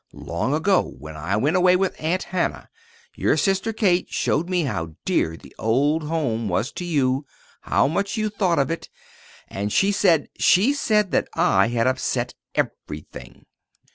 Long ago, when I went away with Aunt Hannah, your sister Kate showed me how dear the old home was to you how much you thought of it. And she said she said that I had upset everything."